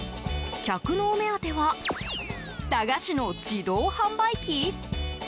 客のお目当ては駄菓子の自動販売機？